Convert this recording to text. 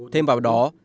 thêm vào đó